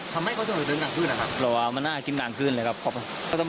ทำให้เขานี่สับดนกล้อมาน่ากินกลางขึ้นกัน